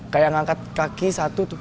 kayak ngangkat kaki satu